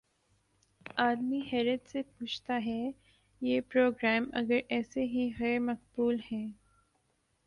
آدمی حیرت سے سوچتا ہے: یہ پروگرام اگر ایسے ہی غیر مقبول ہیں